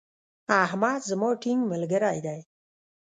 احمد زما ټينګ ملګری دی.